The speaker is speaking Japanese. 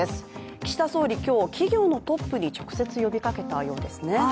岸田総理、今日、企業のトップに直接呼びかけたようですね。